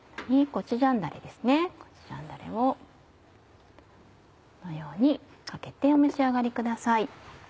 コチュジャンだれをこのようにかけてお召し上がりください。